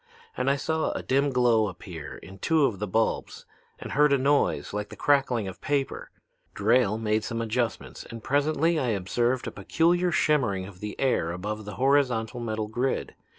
And I saw a dim glow appear in two of the bulbs and heard a noise like the crackling of paper. Drayle made some adjustments, and presently I observed a peculiar shimmering of the air above a horizontal metal grid.